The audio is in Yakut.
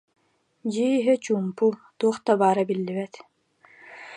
Дьиэ иһэ чуумпу, туох да баара биллибэт